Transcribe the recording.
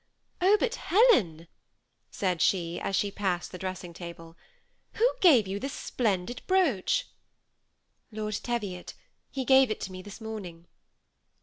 Oh ! but, Helen," she said as she passed the dressing table, " who gave you this splendid brooch ?"" Lord Teviot ; he gave it to me this morning."